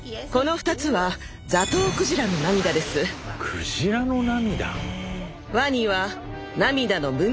クジラの涙！